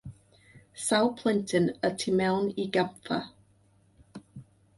Sawl plentyn y tu mewn i gampfa.